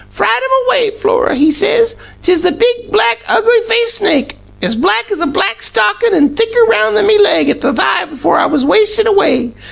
'Fright 'em away, Flora!' he says. ''Tis the big, black, ugly faced snake, as black as a black stockin' an' thicker round than me leg at the thigh before I was wasted away!'